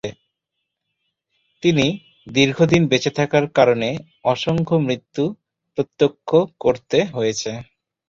তিনি দীর্ঘদিন বেঁচে থাকার কারণে অসংখ্য মৃত্যু প্রত্যক্ষ করতে হয়েছে।